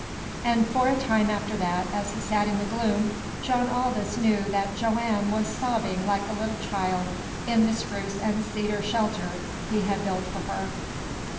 And for a time after that, as he sat in the gloom, John Aldous knew that Joanne was sobbing like a little child in the spruce and cedar shelter he had built for her.